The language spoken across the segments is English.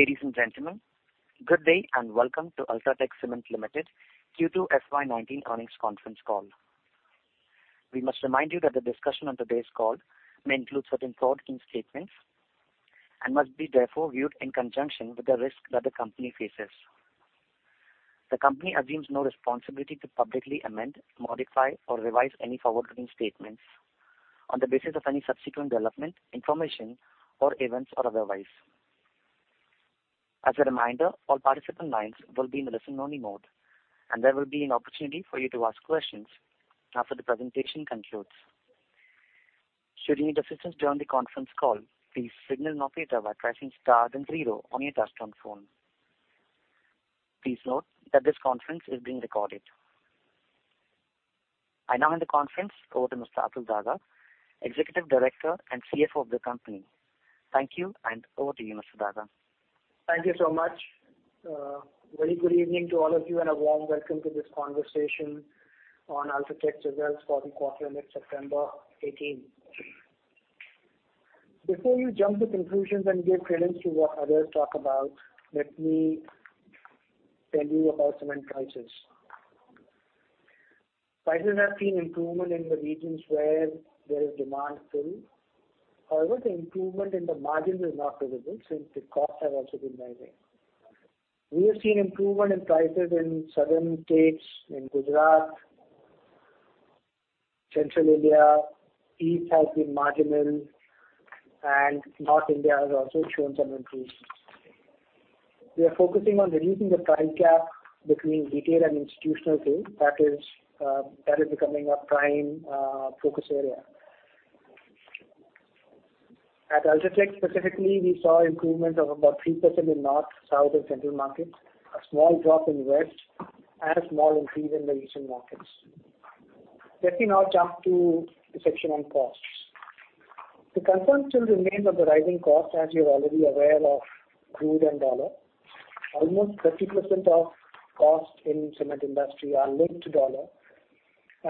Ladies and gentlemen, good day and welcome to UltraTech Cement Limited Q2 FY 2019 earnings conference call. We must remind you that the discussion on today's call may include certain forward-looking statements and must be therefore viewed in conjunction with the risk that the company faces. The company assumes no responsibility to publicly amend, modify or revise any forward-looking statements on the basis of any subsequent development, information or events or otherwise. As a reminder, all participant lines will be in the listen-only mode, and there will be an opportunity for you to ask questions after the presentation concludes. Should you need assistance during the conference call, please signal an operator by pressing star then 0 on your touchtone phone. Please note that this conference is being recorded. I now hand the conference over to Mr. Atul Daga, Executive Director and CFO of the company. Thank you. Over to you, Mr. Daga. Thank you so much. Very good evening to all of you and a warm welcome to this conversation on UltraTech's results for the quarter end September 2018. Before you jump to conclusions and give credence to what others talk about, let me tell you about cement prices. Prices have seen improvement in the regions where there is demand pull. However, the improvement in the margins is not visible since the costs have also been rising. We have seen improvement in prices in southern states, in Gujarat, central India, East has been marginal, North India has also shown some improvements. We are focusing on reducing the price gap between retail and institutional sales. That is becoming our prime focus area. At UltraTech specifically, we saw improvement of about 3% in north, south, and central markets, a small drop in West, and a small increase in the eastern markets. Let me now jump to the section on costs. The concern still remains of the rising cost, as you are already aware of crude and U.S. dollar. Almost 30% of costs in cement industry are linked to U.S.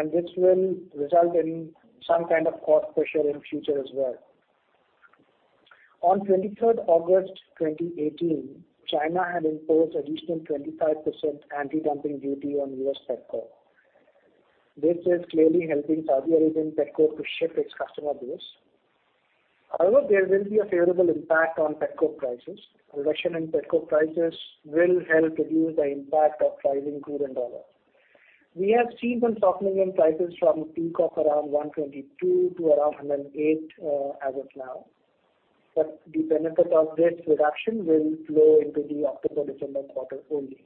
dollar, this will result in some kind of cost pressure in future as well. On 23rd August 2018, China had imposed additional 25% anti-dumping duty on U.S. petcoke. This is clearly helping Saudi Arabian petcoke to shift its customer base. However, there will be a favorable impact on petcoke prices. Reduction in petcoke prices will help reduce the impact of rising crude and U.S. dollar. We have seen some softening in prices from peak of around $122 to around $108 as of now. The benefit of this reduction will flow into the October-December quarter only.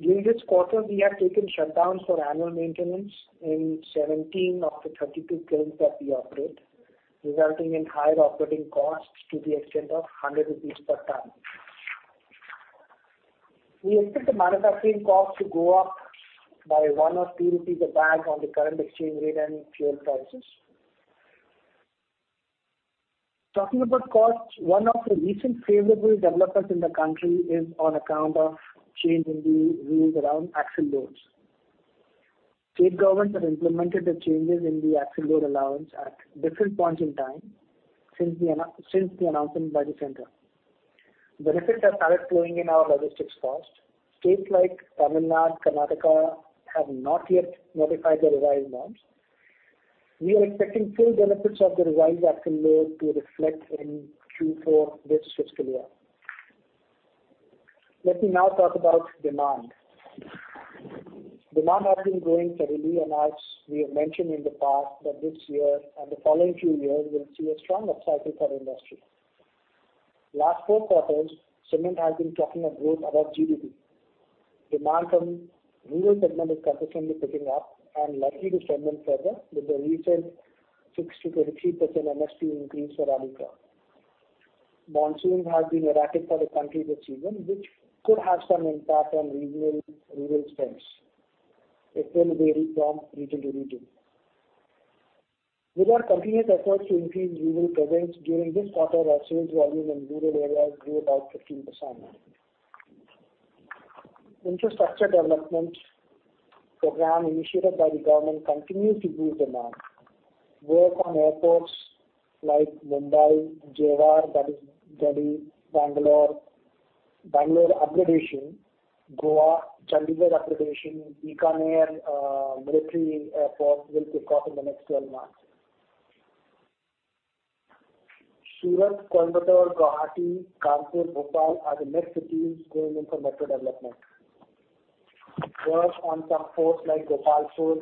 During this quarter, we have taken shutdowns for annual maintenance in 17 of the 32 plants that we operate, resulting in higher operating costs to the extent of 100 rupees per tonne. We expect the manufacturing cost to go up by 1 or 2 rupees a bag on the current exchange rate and fuel prices. Talking about costs, one of the recent favorable developments in the country is on account of change in the rules around axle loads. State governments have implemented the changes in the axle load allowance at different points in time since the announcement by the center. Benefits are direct flowing in our logistics cost. States like Tamil Nadu, Karnataka have not yet notified the revised norms. We are expecting full benefits of the revised axle load to reflect in Q4 this fiscal year. Let me now talk about demand. Demand has been growing steadily, and as we have mentioned in the past that this year and the following few years will see a strong upcycle for the industry. Last four quarters, cement has been tracking a growth above GDP. Demand from rural segment is consistently picking up and likely to strengthen further with the recent 6%-23% MSP increase for rabi crop. Monsoon has been erratic for the country this season, which could have some impact on regional rural spends. It will vary from region to region. With our continuous efforts to increase rural presence during this quarter, our sales volume in rural areas grew about 15% annually. Infrastructure development program initiated by the government continues to boost demand. Work on airports like Mumbai, Jewar, Delhi, Bangalore upgradation, Goa, Chandigarh upgradation, Bikaner military airport will kick off in the next 12 months. Surat, Coimbatore, Guwahati, Kanpur, Bhopal are the next cities going in for metro development. Work on some ports like Gopalpur,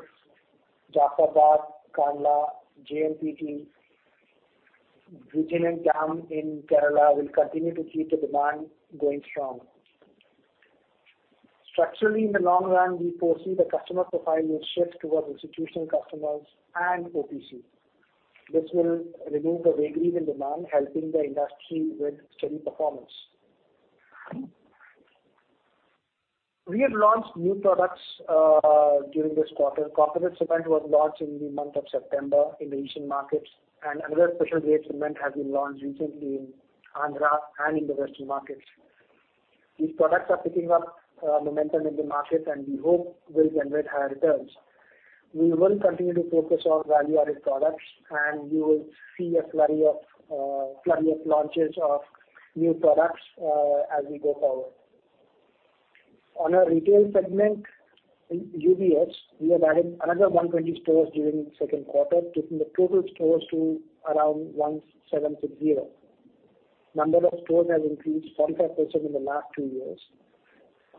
Jafrabad, Kandla, JNPT, Vizhinjam in Kerala will continue to keep the demand going strong. Structurally, in the long run, we foresee the customer profile will shift towards institutional customers and OPC. This will remove the vagaries in demand, helping the industry with steady performance. We have launched new products during this quarter. Composite cement was launched in the month of September in the eastern markets, and another special grade cement has been launched recently in Andhra and in the western markets. These products are picking up momentum in the market, and we hope will generate higher returns. We will continue to focus on value-added products, and you will see a flurry of launches of new products as we go forward. On our retail segment, UBS, we have added another 120 stores during the second quarter, taking the total stores to around 1,760. Number of stores has increased 45% in the last two years.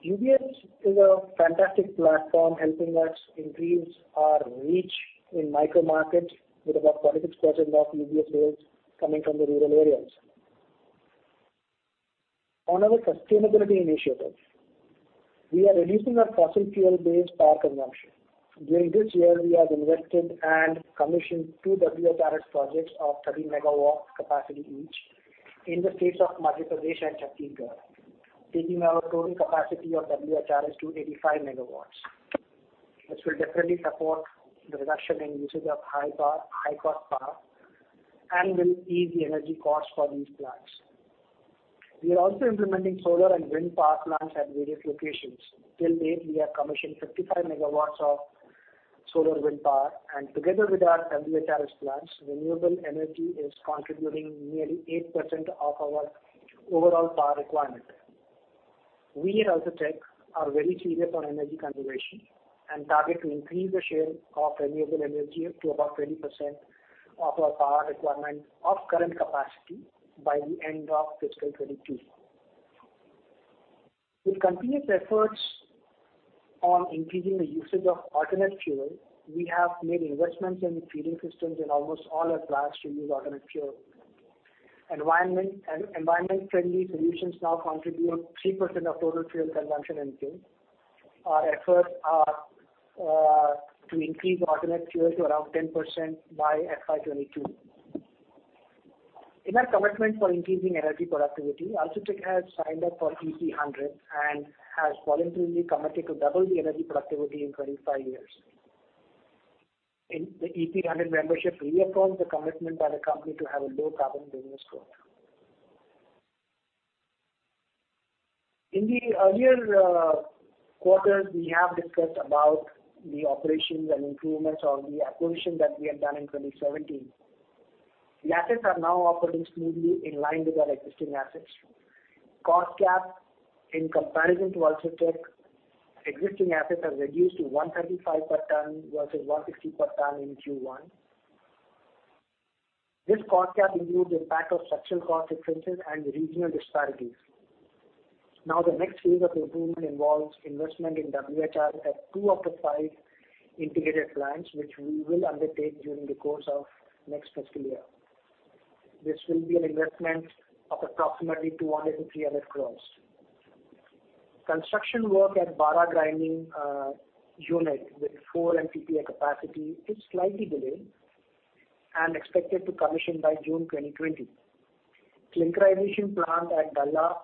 UBS is a fantastic platform helping us increase our reach in micro markets, with about 26% of UBS sales coming from the rural areas. On our sustainability initiatives. We are reducing our fossil fuel-based power consumption. During this year, we have invested and commissioned two WHRS projects of 30 megawatts capacity each in the states of Madhya Pradesh and Chhattisgarh, taking our total capacity of WHRS to 85 megawatts. This will definitely support the reduction in usage of high-cost power and will ease the energy costs for these plants. We are also implementing solar and wind power plants at various locations. Till date, we have commissioned 55 MW of solar wind power, and together with our WHRS plants, renewable energy is contributing nearly 8% of our overall power requirement. We at UltraTech are very serious on energy conservation and target to increase the share of renewable energy up to about 20% of our power requirement of current capacity by the end of fiscal 2022. With continuous efforts on increasing the usage of alternate fuel, we have made investments in the feeding systems in almost all our plants to use alternate fuel. Environment-friendly solutions now contribute 3% of total fuel consumption in cement. Our efforts are to increase alternate fuel to around 10% by FY 2022. In our commitment for increasing energy productivity, UltraTech has signed up for EP100 and has voluntarily committed to double the energy productivity in 25 years. The EP100 membership reaffirms the commitment by the company to have a low carbon business growth. In the earlier quarters, we have discussed about the operations and improvements on the acquisition that we have done in 2017. The assets are now operating smoothly in line with our existing assets. Cost gap, in comparison to UltraTech existing assets, has reduced to 135 per ton versus 160 per ton in Q1. This cost gap includes impact of structural cost differences and regional disparities. The next phase of improvement involves investment in WHRS at two of the five integrated plants, which we will undertake during the course of next fiscal year. This will be an investment of approximately 200-300 crore. Construction work at Bara grinding unit with 4 MTPA capacity is slightly delayed and expected to commission by June 2020. Clinkerization plant at Dalla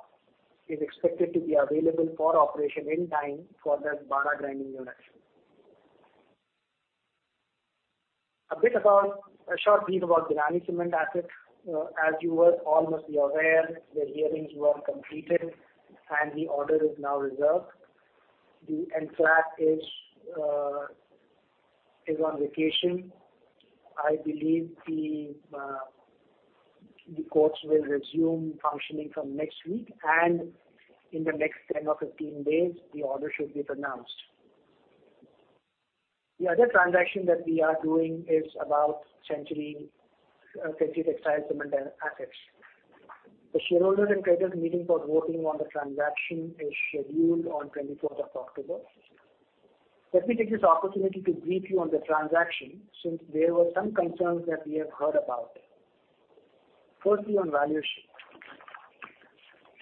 is expected to be available for operation in time for the Bara grinding unit. A short brief about the Binani Cement asset. As you all must be aware, the hearings were completed and the order is now reserved. The NCLAT is on vacation. I believe the courts will resume functioning from next week, and in the next 10 or 15 days, the order should be pronounced. The other transaction that we are doing is about Century Textiles cement assets. The shareholders and creditors meeting for voting on the transaction is scheduled on 24th of October. Let me take this opportunity to brief you on the transaction, since there were some concerns that we have heard about. Firstly, on valuation.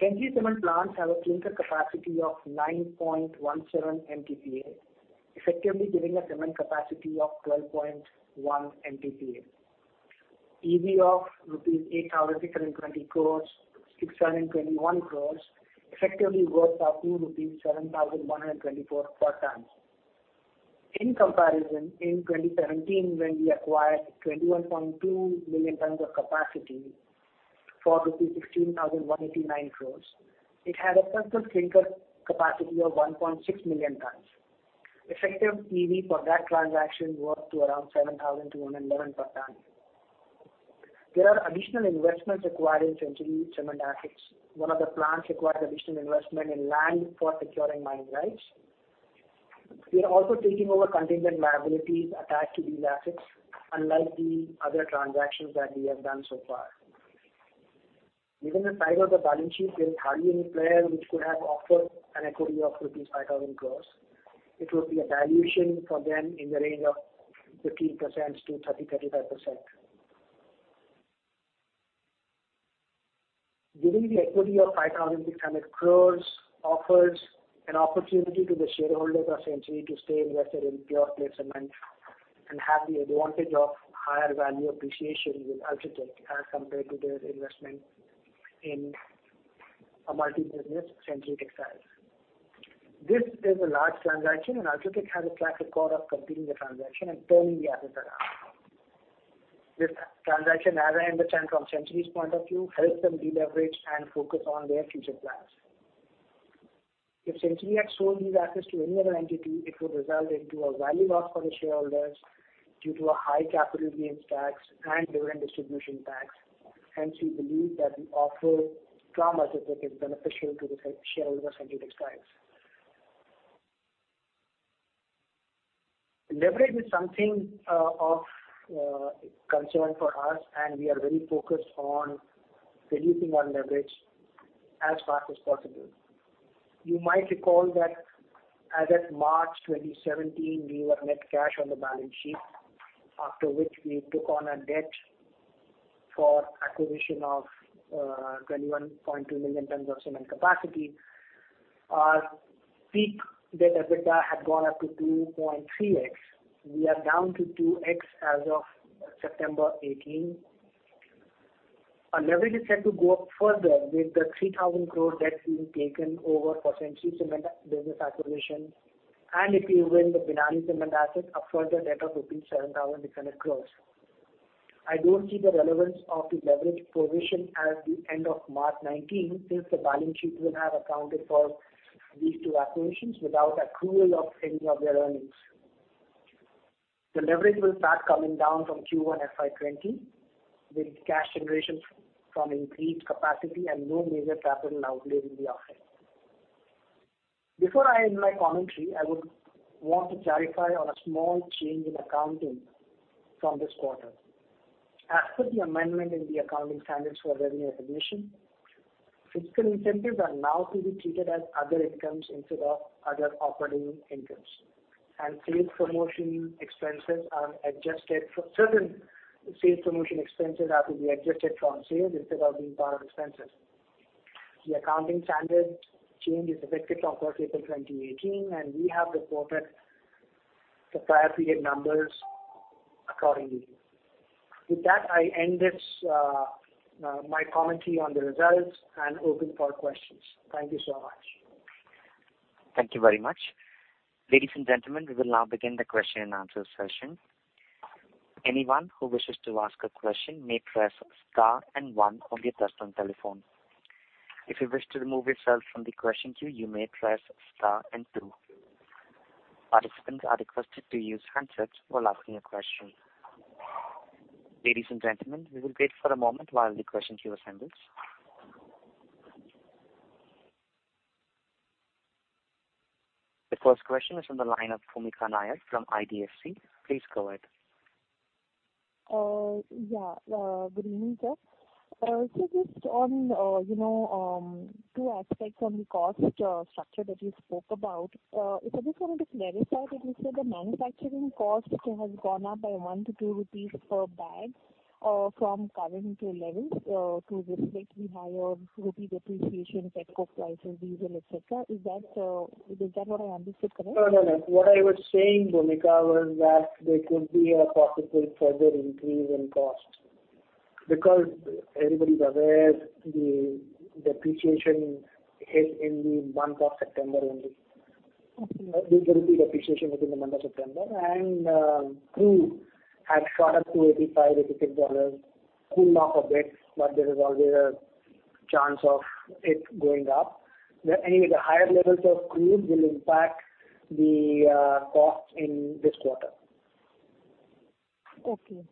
Century Cement plants have a clinker capacity of 9.17 MTPA, effectively giving a cement capacity of 12.1 MTPA. EV of rupees 8,621 crore effectively works out to 7,124 per ton. In comparison, in 2017, when we acquired 21.2 million tons of capacity for rupees 16,189 crore, it had a surplus clinker capacity of 1.6 million tons. Effective EV for that transaction worked to around 7,111 per ton. There are additional investments required in Century Cement assets. One of the plants requires additional investment in land for securing mining rights. We are also taking over contingent liabilities attached to these assets, unlike the other transactions that we have done so far. Given the size of the balance sheet, there is hardly any player which could have offered an equity of rupees 5,000 crore. It would be a valuation for them in the range of 15%-30%, 35%. Giving the equity of 5,600 crore offers an opportunity to the shareholders of Century to stay invested in pure play cement and have the advantage of higher value appreciation with UltraTech as compared to their investment in a multi-business Century Textiles. This is a large transaction, and UltraTech has a track record of completing the transaction and turning the assets around. This transaction, as I understand from Century's point of view, helps them deleverage and focus on their future plans. If Century had sold these assets to any other entity, it would result into a value loss for the shareholders due to a high capital gains tax and dividend distribution tax. Hence, we believe that we offer terms which are beneficial to the shareholders of Century Textiles. Leverage is something of concern for us, and we are very focused on reducing our leverage as fast as possible. You might recall that as of March 2017, we were net cash on the balance sheet, after which we took on a debt for acquisition of 21.2 million tons of cement capacity. Our peak debt EBITDA had gone up to 2.3x. We are down to 2x as of September 2018. Our leverage is set to go up further with the 3,000 crore debt being taken over for Century Cement business acquisition. If we win the Binani Cement asset, a further debt of 7,200 crore. I don't see the relevance of the leverage provision at the end of March 2019, since the balance sheet will have accounted for these two acquisitions without accrual of any of their earnings. The leverage will start coming down from Q1 FY 2020, with cash generation from increased capacity and no major capital outlay in the offing. Before I end my commentary, I would want to clarify on a small change in accounting from this quarter. As per the amendment in the accounting standards for revenue recognition, fiscal incentives are now to be treated as other incomes instead of other operating incomes. Certain sales promotion expenses are to be adjusted from sales instead of being part of expenses. The accounting standard change is effective from April 2018, and we have reported the prior period numbers accordingly. With that, I end my commentary on the results and open for questions. Thank you so much. Thank you very much. Ladies and gentlemen, we will now begin the question and answer session. Anyone who wishes to ask a question may press star and one on your touchtone telephone. If you wish to remove yourself from the question queue, you may press star and two. Participants are requested to use handsets while asking a question. Ladies and gentlemen, we will wait for a moment while the question queue assembles. The first question is on the line of Bhoomika Nair from IDFC. Please go ahead. Yeah. Good evening, sir. Just on two aspects on the cost structure that you spoke about. I just wanted to clarify that you said the manufacturing cost has gone up by ₹1 to ₹2 per bag from current levels due to basically higher rupee depreciation, petcoke prices, diesel, et cetera. Is that what I understood correct? No, no. What I was saying, Bhoomika, was that there could be a possible further increase in cost. Everybody's aware the depreciation hit in the month of September only. Big rupee depreciation within the month of September. Crude had shot up to $85, $86. It cooled off a bit, but there is always a chance of it going up. Anyway, the higher levels of crude will impact the cost in this quarter. Okay.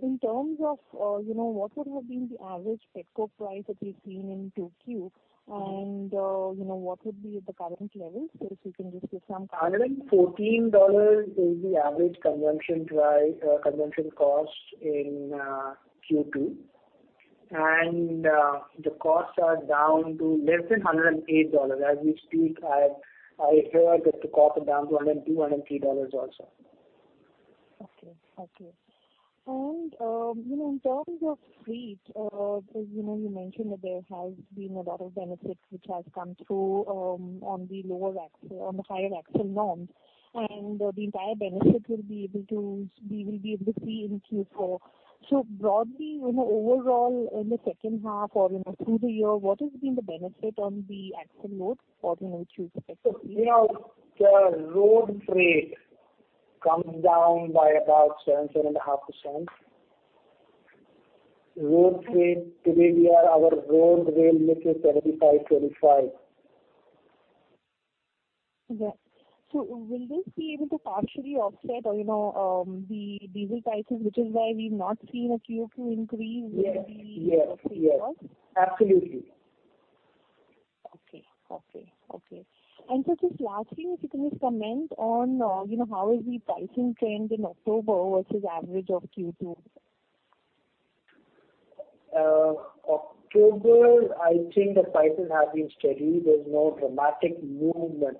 In terms of what would have been the average petcoke price that you've seen in 2Q and what would be at the current level? If you can just give some guidance. $114 is the average consumption cost in Q2. The costs are down to less than $108. As we speak, I hear that the costs are down to $102, $103 also. Okay. In terms of freight, as you mentioned that there has been a lot of benefit which has come through on the higher axle load, the entire benefit we will be able to see in Q4. Broadly, overall, in the second half or through the year, what has been the benefit on the axle load or which you expect to see? The road freight comes down by about 7.5%. Today our road rail mix is 75/25. Okay. Will this be able to partially offset the diesel prices, which is why we've not seen a Q2 increase in the- Yes. -cost? Absolutely. Okay. Sir, just lastly, if you can just comment on how is the pricing trend in October versus average of Q2? October, I think the prices have been steady. There's no dramatic movement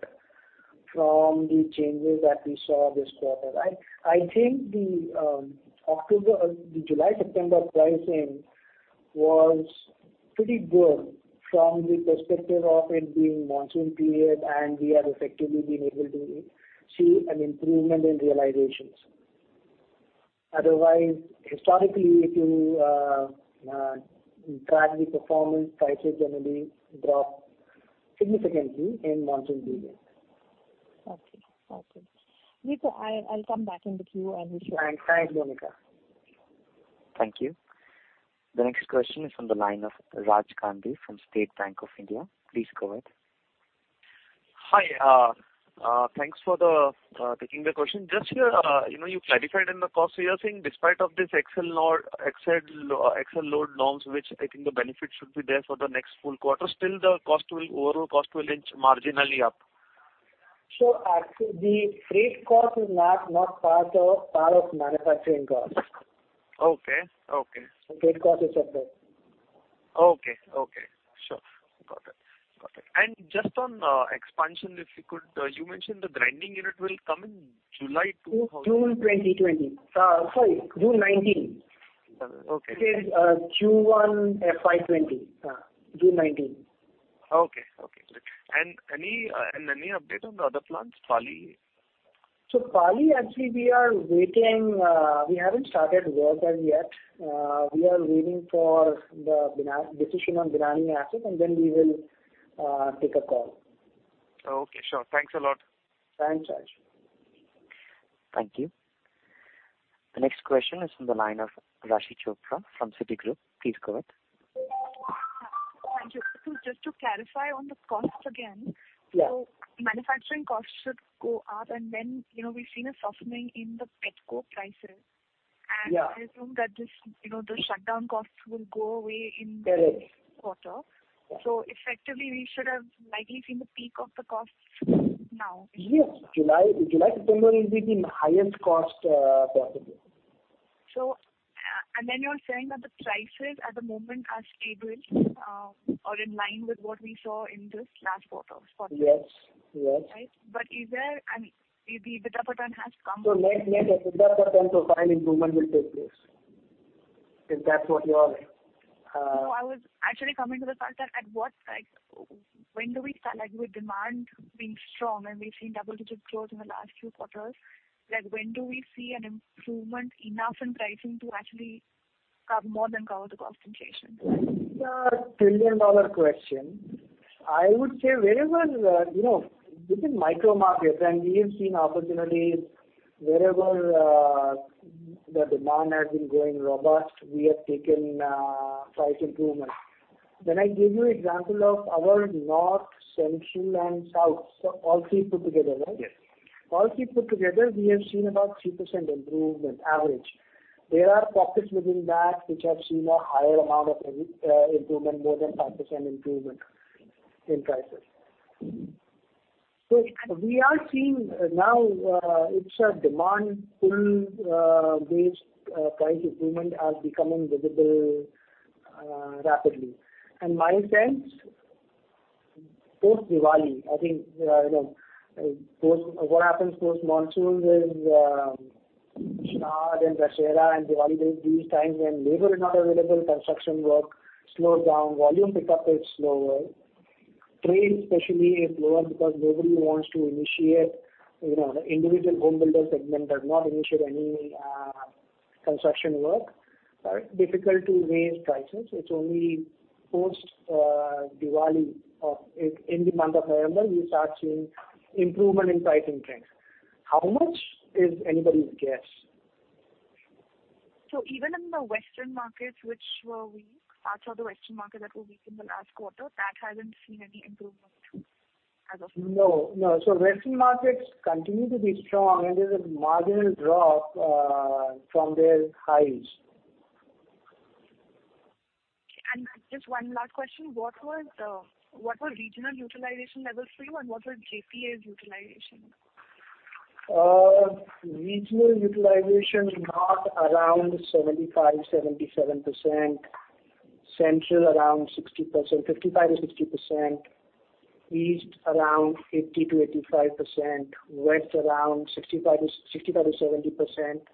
from the changes that we saw this quarter. I think the July, September pricing was pretty good from the perspective of it being monsoon period. We have effectively been able to see an improvement in realizations. Otherwise, historically, if you track the performance, prices generally drop significantly in monsoon period. Okay. Nitya, I'll come back in the queue. Thanks. Bye, Bhoomika. Thank you. The next question is from the line of Raj Gandhi from State Bank of India. Please go ahead. Hi. Thanks for taking the question. Just here, you clarified in the cost, you're saying despite of this axle load norms, which I think the benefit should be there for the next full quarter, still the overall cost will inch marginally up. Actually, the freight cost is not part of manufacturing cost. Okay. The freight cost is separate. Okay. Sure. Got it. Just on expansion, if you could, you mentioned the grinding unit will come in July. June 2020. Sorry, June 2019. Okay. It is Q1 FY 2020. June 2019. Okay. Great. Any update on the other plants, Pali? Pali, actually, we are waiting. We haven't started work as yet. We are waiting for the decision on Binani asset, and then we will take a call. Okay, sure. Thanks a lot. Thanks, Raj. Thank you. The next question is from the line of Raashi Chopra from Citigroup. Please go ahead. Thank you. Just to clarify on the cost again. Yeah. Manufacturing costs should go up and then, we've seen a softening in the petcoke prices. Yeah. I assume that the shutdown costs will go away. Correct This quarter. Effectively, we should have likely seen the peak of the costs now. Yes. July, September will be the highest cost possible. You're saying that the prices at the moment are stable or in line with what we saw in this last quarter, spot quarter. Yes. Right. The [Vikram Patan] has come- Next month at [Vikram Patan], final improvement will take place. If that's what you're- No, I was actually coming to the fact that, with demand being strong and we've seen double-digit growth in the last few quarters, when do we see an improvement enough in pricing to actually more than cover the cost inflation? That is a trillion-dollar question. I would say wherever within micro markets, we have seen opportunities wherever the demand has been growing robust, we have taken price improvement. I give you example of our North, Central, and South. All three put together, right? Yes. All three put together, we have seen about 3% improvement average. There are pockets within that which have seen a higher amount of improvement, more than 5% improvement in prices. We are seeing now it's a demand pull based price improvement are becoming visible rapidly. My sense, post-Diwali, I think, what happens post-monsoon is, Navaratri and Dussehra and Diwali, these times when labor is not available, construction work slows down, volume pickup is slower. Trade especially is lower because nobody wants to initiate. The individual home builder segment does not initiate any construction work. Right. Difficult to raise prices. It's only post-Diwali, in the month of November, you start seeing improvement in pricing trends. How much is anybody's guess. Even in the Western markets, parts of the Western market that were weak in the last quarter, that hasn't seen any improvement as of now? No. Western markets continue to be strong, and there's a marginal drop from their highs. Just one last question. What were regional utilization levels for you, and what were JPA's utilization? Regional utilization, North around 75%-77%, Central around 55%-60%, East around 80%-85%, West around 65%-70%,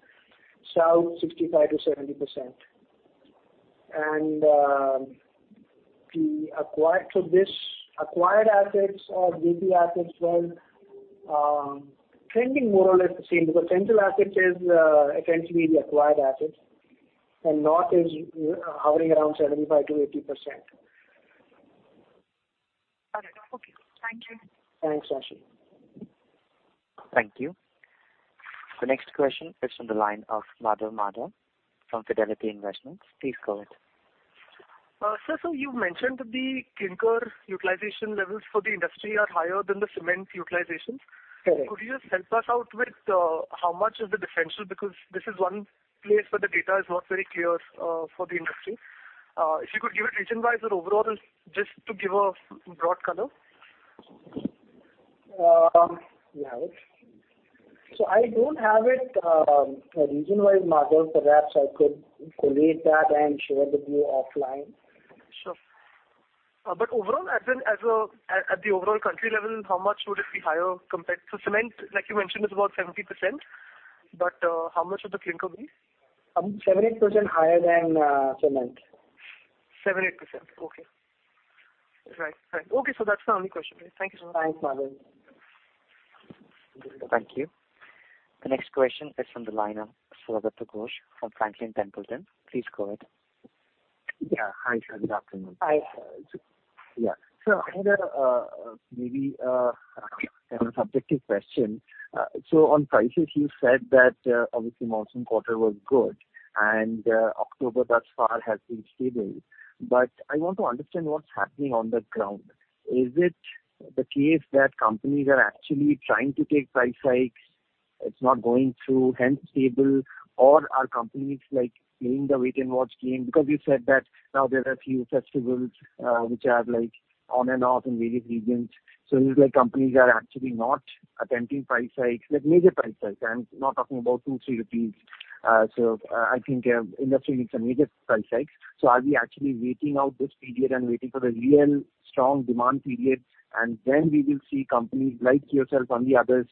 South 65%-70%. This acquired assets or JP assets were trending more or less the same, because Central assets tends to be the acquired assets, and North is hovering around 75%-80%. Got it. Okay, cool. Thank you. Thanks, Raashi. Thank you. The next question is from the line of Madhav Marda from Fidelity Investments. Please go ahead. Sir, you mentioned the clinker utilization levels for the industry are higher than the cement utilizations. Correct. Could you just help us out with how much is the differential, because this is one place where the data is not very clear for the industry. If you could give it region-wise or overall, just to give a broad color. Yeah. I don't have it region-wise, Madhav. Perhaps I could collate that and share with you offline. Sure. Overall, at the overall country level, how much would it be higher compared to cement, like you mentioned, is about 70%. How much of the clinker would be? Seven, 8% higher than cement. 7%, 8%. Okay. Right. Okay, that's my only question. Thank you so much. Thanks, Madhav. Thank you. The next question is from the line of Saurabh Ghosh from Franklin Templeton. Please go ahead. Yeah. Hi, sir. Good afternoon. Hi. Yeah. I had maybe a subjective question. On prices, you said that obviously monsoon quarter was good and October thus far has been stable. I want to understand what's happening on the ground. Is it the case that companies are actually trying to take price hikes, it's not going through hence stable, or are companies playing the wait-and-watch game? You said that now there are a few festivals, which are on and off in various regions. It looks like companies are actually not attempting price hikes, like major price hikes. I'm not talking about two, three rupees. I think the industry needs some major price hikes. Are we actually waiting out this period and waiting for the real strong demand period, and then we will see companies like yourself and the others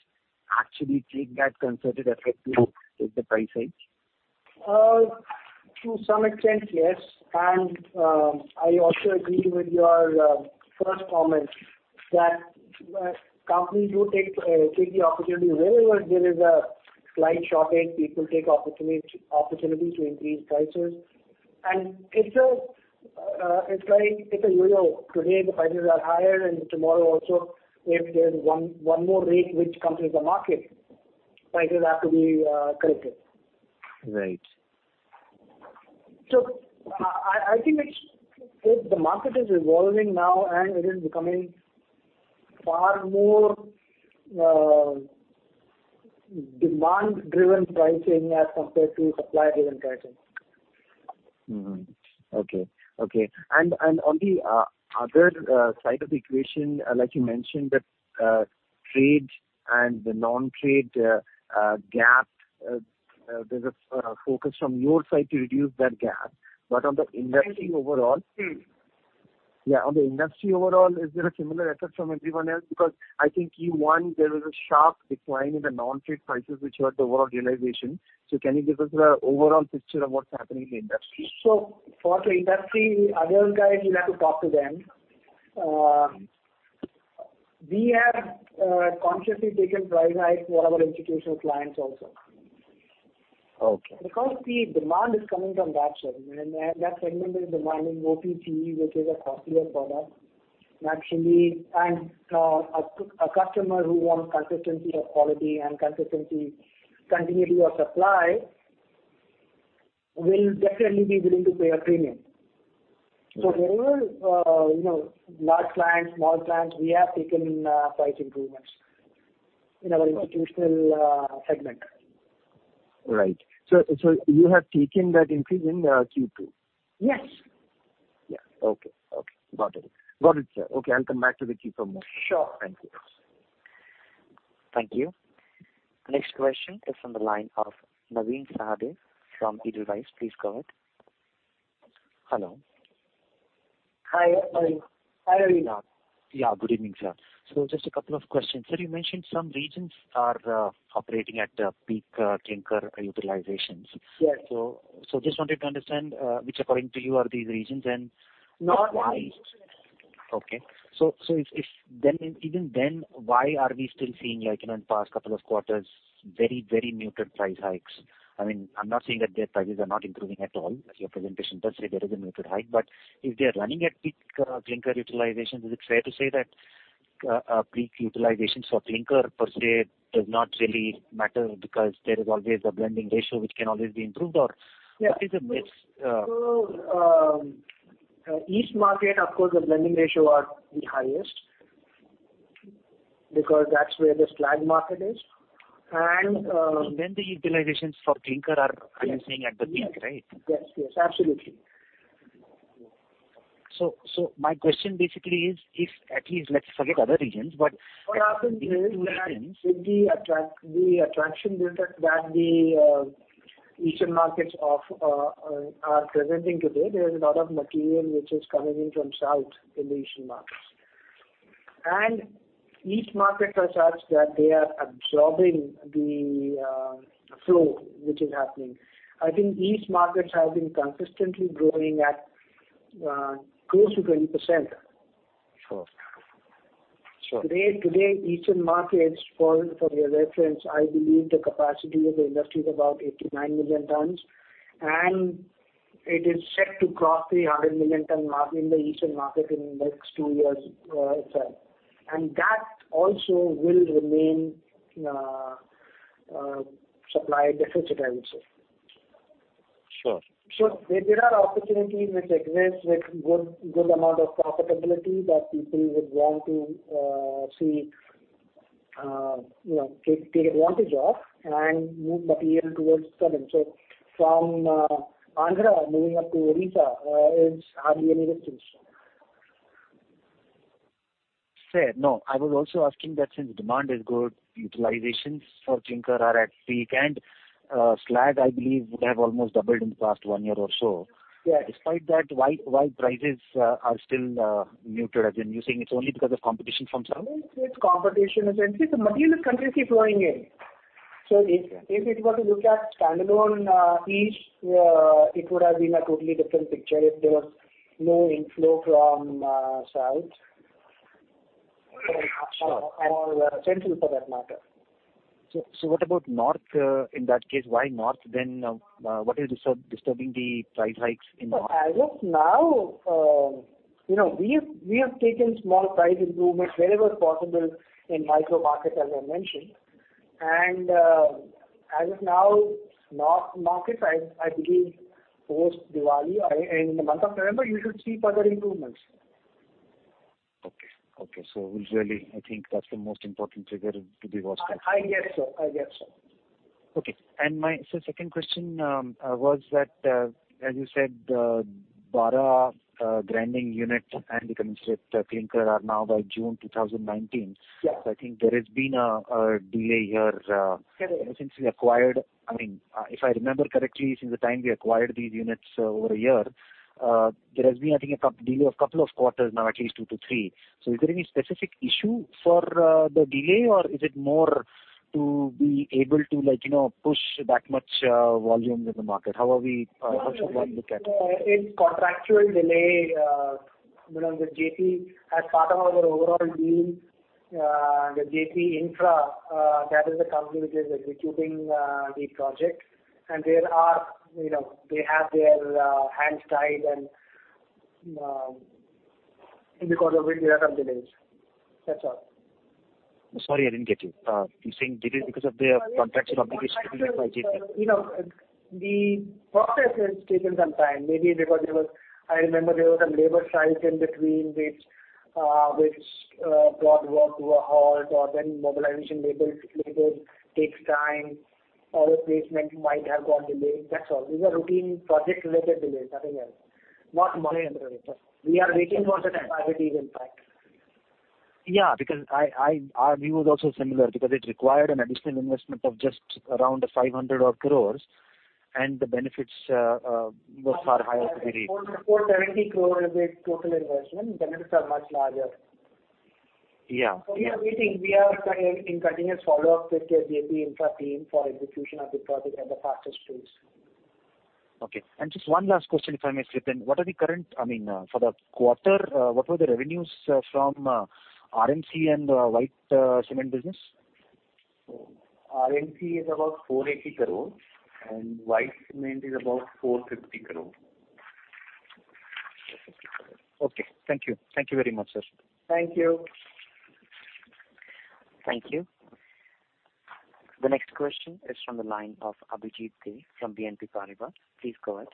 actually take that concerted effort to take the price hikes? To some extent, yes. I also agree with your first comment that companies do take the opportunity. Wherever there is a slight shortage, people take opportunities to increase prices. It's a yo-yo. Today the prices are higher, and tomorrow also, if there's one more rake which comes into the market, prices have to be corrected. Right. I think the market is evolving now, and it is becoming far more demand-driven pricing as compared to supply-driven pricing. Okay. On the other side of the equation, like you mentioned, the trade and the non-trade gap, there's a focus from your side to reduce that gap. On the industry overall- yeah, on the industry overall, is there a similar effort from everyone else? I think Q1, there was a sharp decline in the non-trade prices which were the overall realization. Can you give us the overall picture of what's happening in the industry? For the industry, other guys, you'll have to talk to them. We have consciously taken price hikes for our institutional clients also. Okay. The demand is coming from that segment and that segment is demanding OPC which is a costlier product naturally. A customer who wants consistency of quality and continuity of supply will definitely be willing to pay a premium. Wherever large clients, small clients, we have taken price improvements in our institutional segment. Right. You have taken that increase in Q2? Yes. Yeah. Okay. Got it, sir. Okay, I'll come back to you for more. Sure. Thank you. Thank you. Next question is on the line of Naveen Sahadev from Edelweiss. Please go ahead. Hello. Hi, Naveen. Yeah. Good evening, sir. Just two questions. Sir, you mentioned some regions are operating at peak clinker utilizations. Yes. Just wanted to understand which according to you are these regions and why. North and East. Okay. Even then why are we still seeing in past two quarters very muted price hikes? I'm not saying that their prices are not improving at all. Your presentation does say there is a muted hike, but if they're running at peak clinker utilization, is it fair to say that peak utilizations for clinker per se does not really matter because there is always a blending ratio which can always be improved? East market, of course, the blending ratio are the highest because that's where the slag market is. The utilizations for clinker are you saying at the peak, right? Yes. Absolutely. My question basically is if at least let's forget other regions but. What happened is that with the attraction that the eastern markets are presenting today, there is a lot of material which is coming in from south in the eastern markets. Eastern markets are such that they are absorbing the flow which is happening. I think eastern markets have been consistently growing at close to 20%. Sure. Today eastern markets, for your reference, I believe the capacity of the industry is about 89 million tons and it is set to cross the 100 million ton mark in the eastern market in next two years or so. That also will remain supply deficit I would say. Sure. There are opportunities which exist with good amount of profitability that people would want to take advantage of and move material towards South. From Andhra moving up to Odisha is hardly any distance. Sir, I was also asking that since demand is good, utilizations for clinker are at peak and slag I believe would have almost doubled in the past one year or so. Yeah. Despite that why prices are still muted as in you're saying it's only because of competition from south? No, it's competition. See the material is continuously flowing in. If it were to look at standalone East it would have been a totally different picture if there was no inflow from south. Sure. Central for that matter. What about North in that case? Why North then? What is disturbing the price hikes in North? As of now, we have taken small price improvements wherever possible in micro markets, as I mentioned. As of now, north markets, I believe post-Diwali, in the month of November, you should see further improvements. Okay. Really, I think that's the most important figure to be watched out for. I guess so. Okay. My second question was that, as you said, Bara grinding unit and the cement clinker are now by June 2019. Yes. I think there has been a delay here since we acquired. If I remember correctly, since the time we acquired these units over a year, there has been, I think, a delay of couple of quarters now, at least two to three. Is there any specific issue for the delay or is it more to be able to push that much volume in the market? How should one look at it? It's contractual delay. As part of our overall deal, Jaiprakash Associates, that is the company which is executing the project. They have their hands tied and because of which there are some delays. That's all. Sorry, I didn't get you. You're saying delay because of their contractual obligations given by JP? The process has taken some time. Maybe because I remember there was a labor strike in between which brought work to a halt or then mobilization labor takes time. Order placement might have got delayed. That's all. These are routine project-related delays, nothing else. Not money under it. We are waiting for the priorities in fact. Yeah, our view was also similar because it required an additional investment of just around 500 odd crores and the benefits were far higher to release. 470 crore is the total investment. The benefits are much larger. Yeah. We are waiting. We are in continuous follow-up with the Jaiprakash Associates team for execution of the project at the fastest pace. Okay. Just one last question, if I may slip in. For the quarter, what were the revenues from RMC and white cement business? RMC is about 480 crore and white cement is about INR 450 crore. 450 crore. Okay. Thank you. Thank you very much, sir. Thank you. Thank you. The next question is from the line of Abhijit from BNP Paribas. Please go ahead.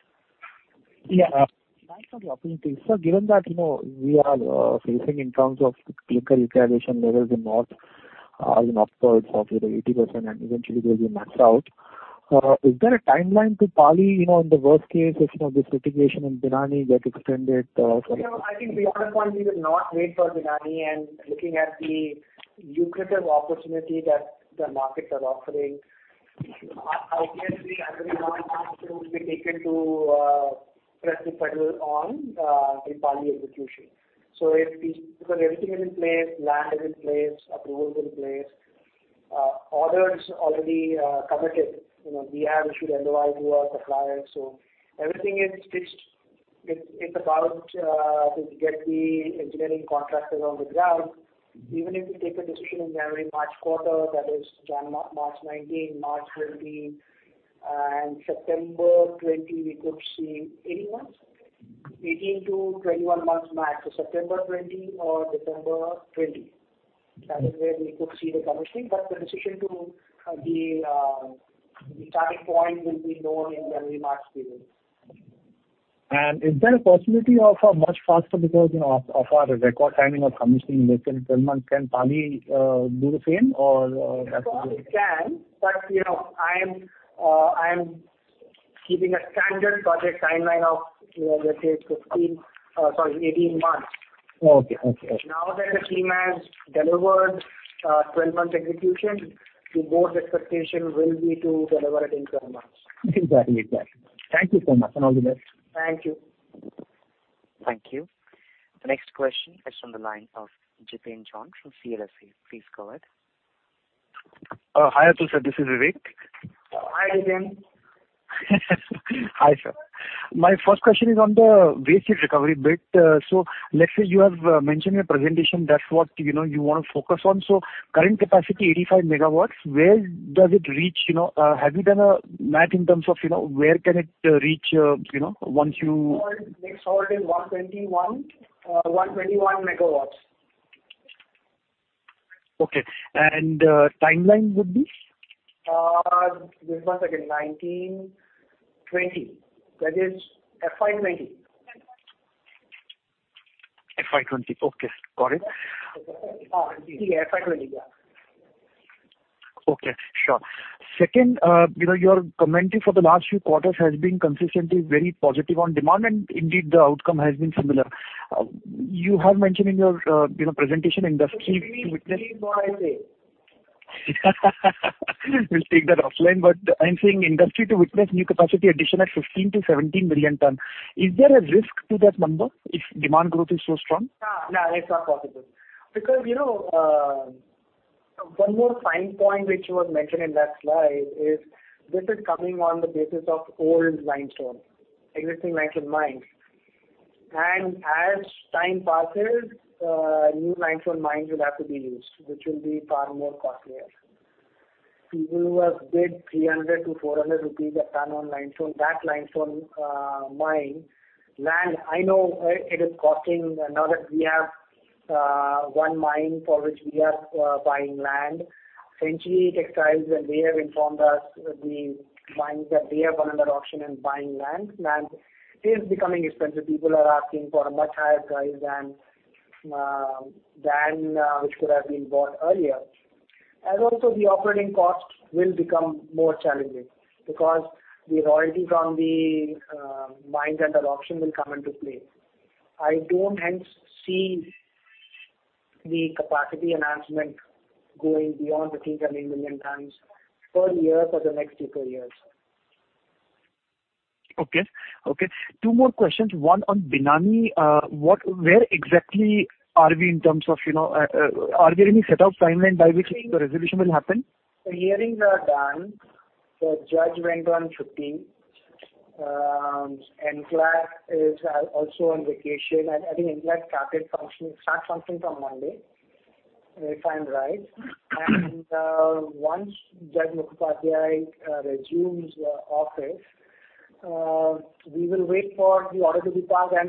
Yeah. Thanks for the opportunity. Sir, given that we are facing in terms of clinker utilization levels in north, as in upwards of 80% and eventually they will max out. Is there a timeline to Pali in the worst case if this litigation in Binani get extended? I think beyond a point we will not wait for Binani and looking at the lucrative opportunity that the markets are offering. Obviously, every possible action will be taken to press the pedal on the Pali execution. Because everything is in place, land is in place, approval is in place. Orders already committed. We have issued LOI to our suppliers. Everything is stitched. It is about to get the engineering contractors on the ground. Even if we take a decision in January-March quarter, that is March 2019, March 2020, and September 2020, we could see 18 months? 18-21 months max. So September 2020 or December 2020. That is where we could see the commissioning, but the decision to the starting point will be known in January, March period. Is there a possibility of a much faster because, of our record timing of commissioning less than 12 months, can Pali do the same or- It can, I am keeping a standard project timeline of, let's say 18 months. Okay. Now that the team has delivered 12 months execution, the board expectation will be to deliver it in 12 months. Exactly. Thank you so much, and all the best. Thank you. Thank you. The next question is from the line of Jitin John from CLSA. Please go ahead. Hi, Atul sir. This is Vivek. Hi, Jitin. Hi, sir. My first question is on the waste heat recovery bit. Let's say you have mentioned in your presentation that's what you want to focus on. Current capacity 85 megawatts, where does it reach? Have you done a math in terms of where can it reach? Next halt is 121 megawatts. Okay. timeline would be? Give me a second. 2019, 2020. That is FY 2020. FY 2020. Okay, got it. FY 2020, yeah. Okay, sure. Second, your commentary for the last few quarters has been consistently very positive on demand, and indeed the outcome has been similar. You have mentioned in your presentation, we'll take that offline, but I'm saying industry to witness new capacity addition at 15 million-17 million tons. Is there a risk to that number if demand growth is so strong? No, it's not possible. One more fine point which was mentioned in that slide is this is coming on the basis of old limestone, existing limestone mines. As time passes, new limestone mines will have to be used, which will be far more costlier. People who have bid 300-400 rupees a ton on limestone, that limestone mine land, I know it is costing now that we have one mine for which we are buying land. Century Textiles, they have informed us that they have another option in buying land. Land is becoming expensive. People are asking for a much higher price than which could have been bought earlier. Also the operating cost will become more challenging because the royalties on the mines under option will come into play. I don't hence see the capacity enhancement going beyond 13 million tons per year for the next two, three years. Okay. Two more questions. One on Binani. Where exactly are we, are there any set of timeline by which the resolution will happen? The hearings are done. The judge went on footing. NCLAT is also on vacation. I think NCLAT starts functioning from Monday, if I'm right. Once Judge Mukhopadhaya resumes office, we will wait for the order to be passed. I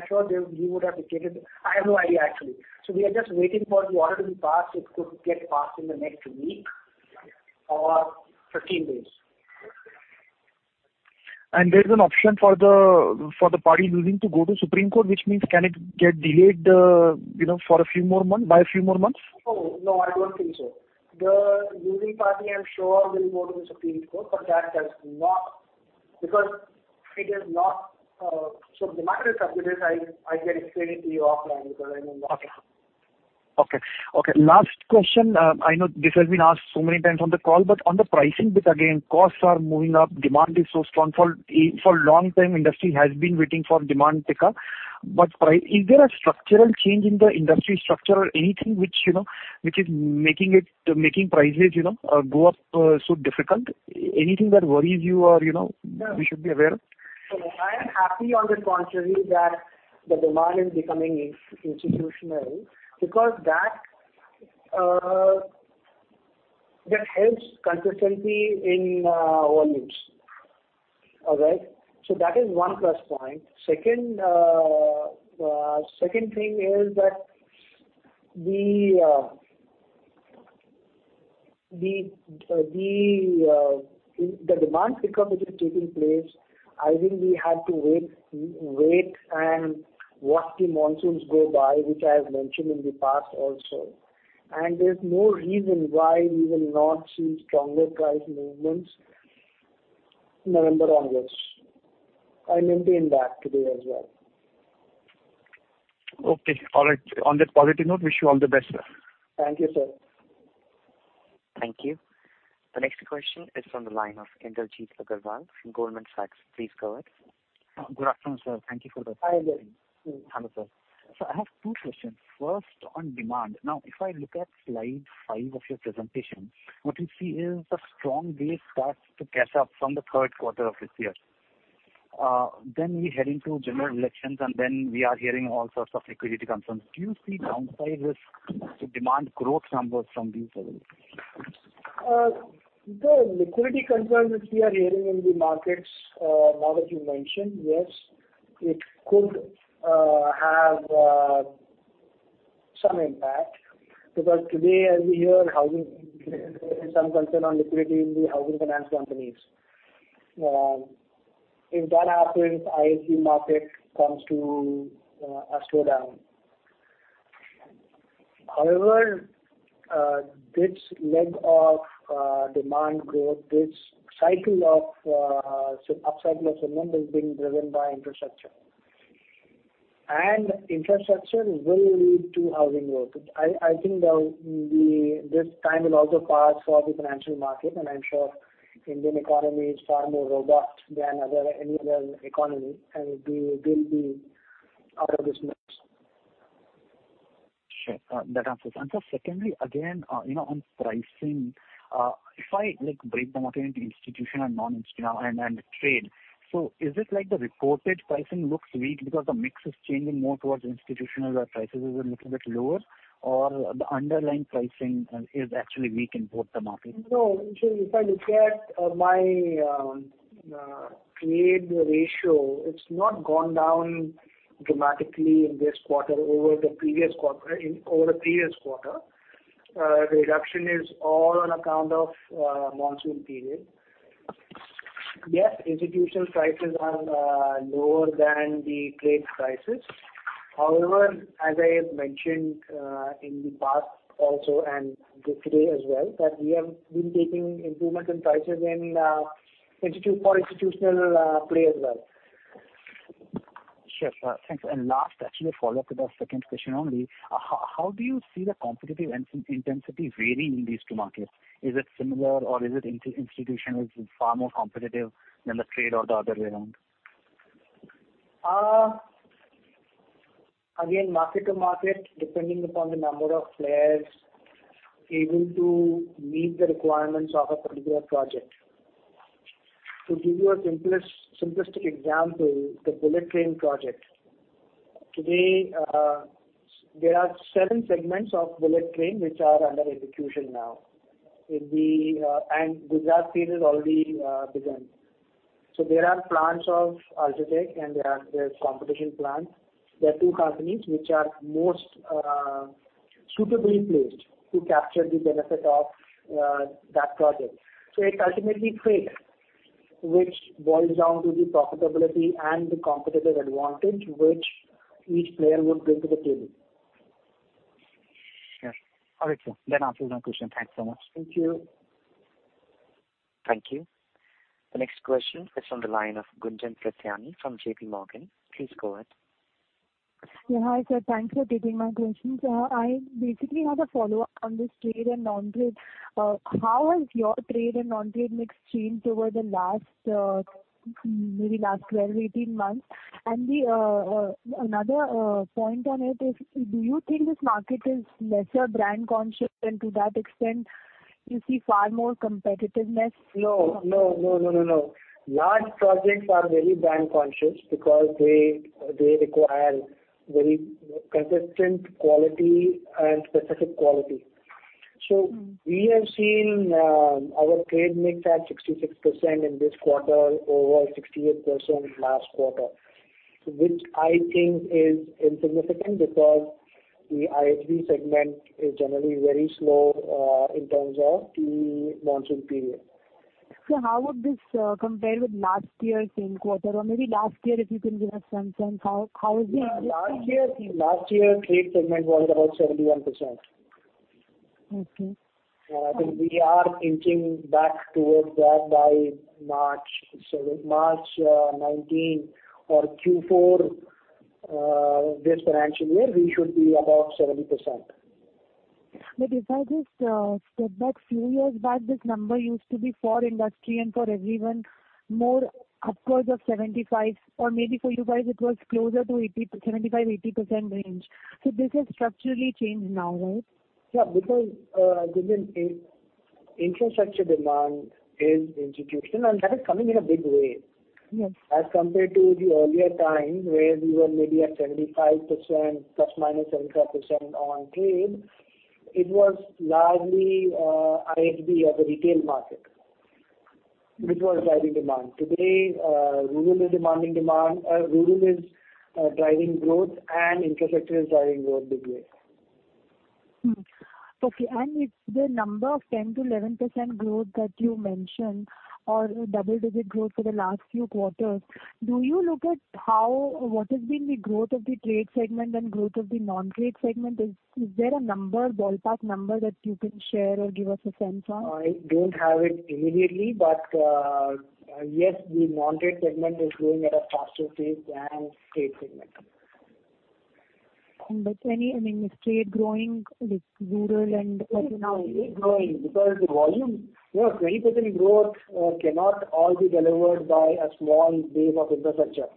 have no idea, actually. We are just waiting for the order to be passed. It could get passed in the next week or 15 days. There's an option for the party losing to go to Supreme Court, which means can it get delayed by a few more months? No, I don't think so. The losing party, I'm sure, will go to the Supreme Court. The matter is submitted. I can explain it to you offline because I don't know. Okay. Last question. I know this has been asked so many times on the call, on the pricing bit again, costs are moving up. Demand is so strong. For long time, industry has been waiting for demand pickup. Is there a structural change in the industry structure or anything which is making prices go up so difficult? Anything that worries you? No we should be aware of? I am happy on the contrary that the demand is becoming institutional because that helps consistency in volumes. All right. That is one plus point. Second thing is that the demand pickup which is taking place, I think we have to wait and watch the monsoons go by, which I have mentioned in the past also. There's no reason why we will not see stronger price movements November onwards. I maintain that today as well. Okay, all right. On that positive note, wish you all the best, sir. Thank you, sir. Thank you. The next question is from the line of Indrajit Agarwal from Goldman Sachs. Please go ahead. Good afternoon, sir. Thank you for the Hi Hello, sir. Sir, I have two questions. First, on demand. If I look at slide five of your presentation, what we see is the strong wave starts to catch up from the third quarter of this year. We're heading to general elections, we are hearing all sorts of liquidity concerns. Do you see downsides to demand growth numbers from these levels? The liquidity concerns which we are hearing in the markets now that you mention, yes, it could have some impact because today we hear there is some concern on liquidity in the housing finance companies. If that happens, I see market comes to a slowdown. However, this leg of demand growth, this upcycle of cement is being driven by infrastructure. Infrastructure will lead to housing growth. I think this time will also pass for the financial market, I'm sure Indian economy is far more robust than any other economy, and they will be out of this mess. Sure. That answers. Sir, secondly, again, on pricing, if I break the market into institutional and trade, is it like the reported pricing looks weak because the mix is changing more towards institutional where prices is a little bit lower? Or the underlying pricing is actually weak in both the markets? No. If I look at my trade ratio, it's not gone down dramatically in this quarter over the previous quarter. The reduction is all on account of monsoon period. Yes, institutional prices are lower than the trade prices. However, as I have mentioned in the past also and today as well, that we have been taking improvements in prices for institutional play as well. Sure. Thanks. Last, actually a follow-up to the second question only. How do you see the competitive intensity varying in these two markets? Is it similar or is it institutional is far more competitive than the trade or the other way around? Again, market to market, depending upon the number of players able to meet the requirements of a particular project. To give you a simplistic example, the bullet train project. Today, there are 7 segments of bullet train which are under execution now. Gujarat phase has already begun. There are plants of UltraTech, and there are competition plants. There are two companies which are most suitably placed to capture the benefit of that project. It ultimately trades, which boils down to the profitability and the competitive advantage which each player would bring to the table. Yes. All right, sir. That answers my question. Thanks so much. Thank you. Thank you. The next question is on the line of Gunjan Prithyani from JP Morgan. Please go ahead. Yeah. Hi, sir. Thanks for taking my questions. I basically have a follow-up on this trade and non-trade. How has your trade and non-trade mix changed over maybe the last 12, 18 months? Another point on it is, do you think this market is lesser brand conscious, and to that extent, you see far more competitiveness? No. Large projects are very brand conscious because they require very consistent quality and specific quality. We have seen our trade mix at 66% in this quarter, over 68% last quarter. Which I think is insignificant because the IHB segment is generally very slow in terms of the monsoon period. How would this compare with last year's same quarter? Maybe last year, if you can give us some sense. Last year, trade segment was about 71%. Okay. I think we are inching back towards that by March 2019 or Q4 this financial year, we should be about 70%. If I just step back a few years back, this number used to be for industry and for everyone more upwards of 75%, or maybe for you guys it was closer to 75%-80% range. This has structurally changed now, right? Yeah, because Gunjan, infrastructure demand is institutional, and that is coming in a big way. Yes. As compared to the earlier times where we were maybe at 75%, ±7.5% on trade, it was largely IHB as a retail market, which was driving demand. Today, rural is driving growth and infrastructure is driving growth big way. Okay. With the number of 10%-11% growth that you mentioned, or double-digit growth for the last few quarters, do you look at what has been the growth of the trade segment and growth of the non-trade segment? Is there a ballpark number that you can share or give us a sense of? I don't have it immediately. Yes, the non-trade segment is growing at a faster pace than trade segment. Is trade growing with rural? No, it is growing because the volume, 20% growth cannot all be delivered by a small base of infrastructure.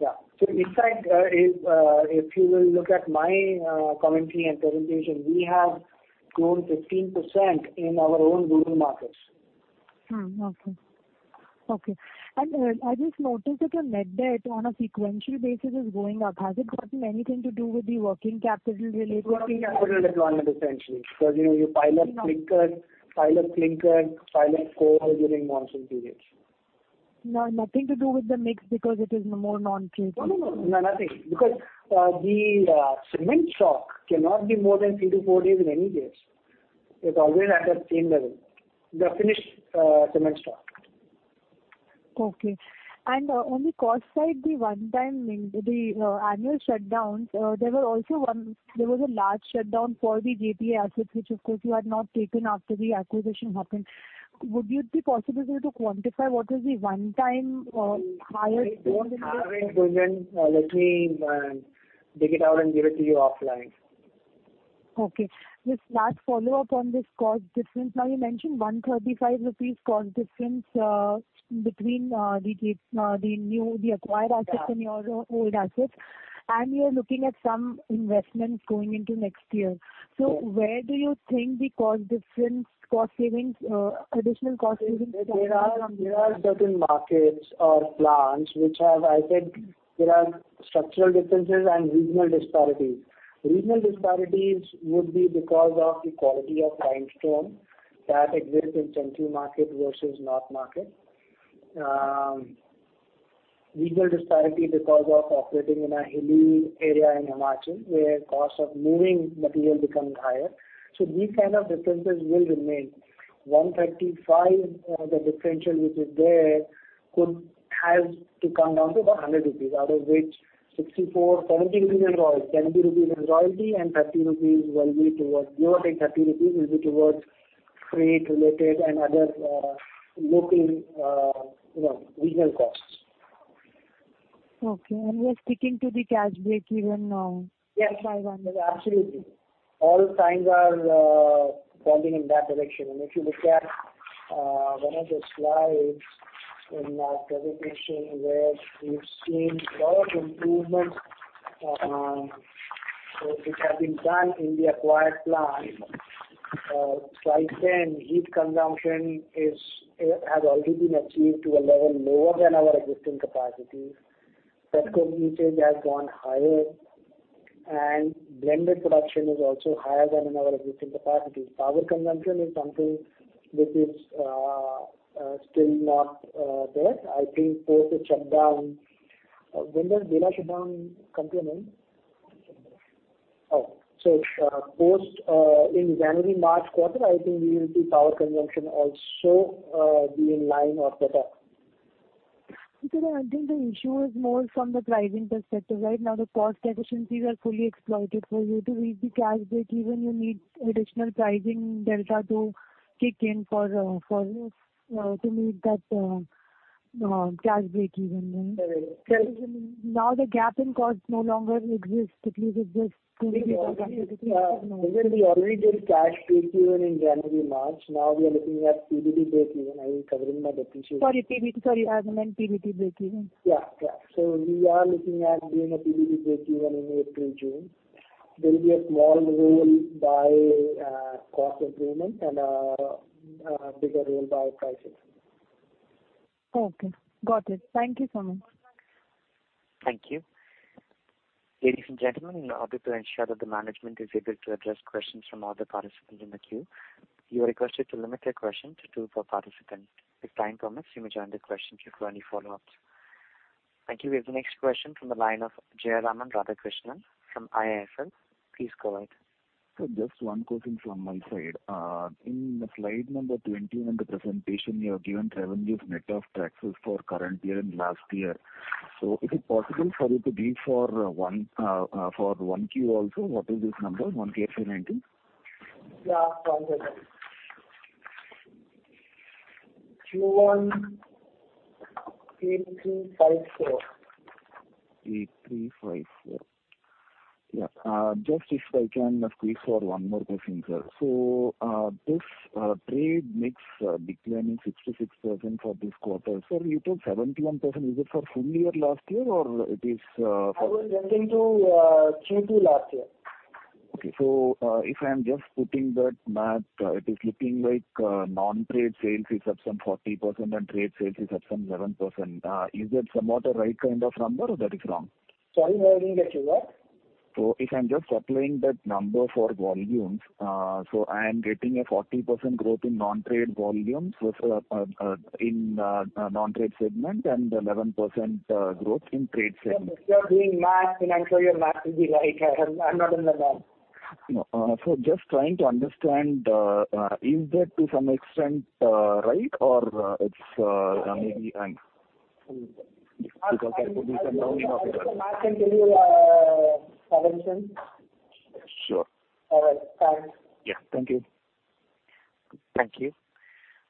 Yeah. In fact, if you will look at my commentary and presentation, we have grown 15% in our own rural markets. Okay. I just noticed that your net debt on a sequential basis is going up. Has it gotten anything to do with the working capital related- Working capital deployment, essentially. You pile up clinker, pile up coal during monsoon periods. No, nothing to do with the mix because it is more non-trade? No, nothing. The cement stock cannot be more than three to four days in any case. It's always at the same level. The finished cement stock. Okay. On the cost side, the annual shutdowns, there was a large shutdown for the JPA assets, which of course you had not taken after the acquisition happened. Would it be possible for you to quantify what is the one time higher- I don't have it, Gunjan. Let me dig it out and give it to you offline. Okay. Just last follow-up on this cost difference. You mentioned 135 rupees cost difference between the acquired assets and your old assets. You're looking at some investments going into next year. Where do you think the additional cost savings can come from? There are certain markets or plants which have, I said there are structural differences and regional disparities. Regional disparities would be because of the quality of limestone that exists in central market versus north market. Regional disparity because of operating in a hilly area in Himachal, where cost of moving material becomes higher. These kind of differences will remain. 135, the differential which is there could have to come down to about 100 rupees, out of which 70 rupees is royalty and the other 30 rupees will be towards freight related and other local regional costs. Okay. We're sticking to the cash break even. Yes by one. Absolutely. All signs are pointing in that direction. If you look at one of the slides In our presentation where we've seen lot of improvements which have been done in the acquired plant. Slide 10, heat consumption has already been achieved to a level lower than our existing capacity. Petcoke usage has gone higher, and blended production is also higher than in our existing capacity. Power consumption is something which is still not there. I think post the shutdown. When does Birla shutdown come to an end? 20th of March. Post in January-March quarter, I think we will see power consumption also be in line or better. Sir, I think the issue is more from the pricing perspective. Right now, the cost efficiencies are fully exploited for you to reach the cash breakeven, you need additional pricing delta to kick in to meet that cash breakeven. Correct. The gap in cost no longer exists. We already did cash breakeven in January-March. We are looking at PBT breakeven. I will cover in my presentation. Sorry, you have mentioned PBT breakeven? Yeah. We are looking at doing a PBT breakeven in April-June. There will be a small role by cost improvement and a bigger role by pricing. Okay, got it. Thank you so much. Thank you. Ladies and gentlemen, in order to ensure that the management is able to address questions from other participants in the queue, you are requested to limit your question to two per participant. If time permits, you may join the question queue for any follow-ups. Thank you. We have the next question from the line of Jayaraman Radhakrishnan from IIFL. Please go ahead. Sir, just one question from my side. In slide number 20 in the presentation, you have given revenues net of taxes for current year and last year. Is it possible for you to give for 1Q also, what is this number, 1Q FY 2019? One second. Q1, 8,354. 8,354. Just if I can squeeze for one more question, sir. This trade mix declining 66% for this quarter. Sir, you took 71%, is it for full year last year, or it is for- I was referring to Q2 last year. Okay. If I'm just putting that math, it is looking like non-trade sales is up some 40% and trade sales is up some 11%. Is that somewhat a right kind of number or that is wrong? Sorry, I didn't get you. If I'm just applying that number for volumes, I am getting a 40% growth in non-trade segment and 11% growth in trade segment. You're doing math and I'm sure your math will be right. I'm not in the math. No. Just trying to understand, is that to some extent, right? It's maybe wrong. I put it down in- I do the math and give you a revision. Sure. All right. Thanks. Yeah. Thank you. Thank you.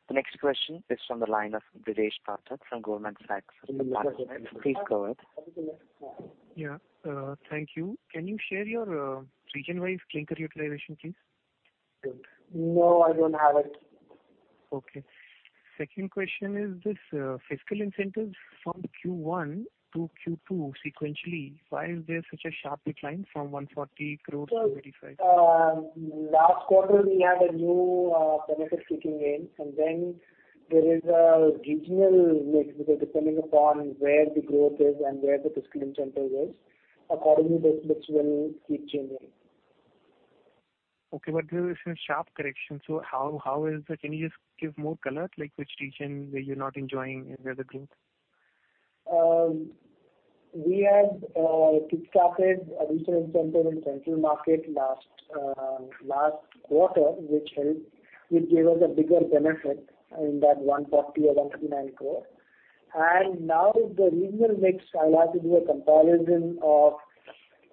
The next question is from the line of Brijesh Patel from Goldman Sachs. Please go ahead. Yeah. Thank you. Can you share your region-wise clinker utilization, please? No, I don't have it. Okay. Second question is this fiscal incentives from Q1 to Q2 sequentially, why is there such a sharp decline from 140 crores to 35? Last quarter we had a new benefit kicking in, then there is a regional mix because depending upon where the growth is and where the fiscal incentive is, accordingly the mix will keep changing. There is a sharp correction. Can you just give more color, like which region where you're not enjoying any of the gains? We had kick-started a fiscal incentive in central market last quarter which gave us a bigger benefit in that 140 or 139 crore. Now the regional mix, I'll have to do a comparison of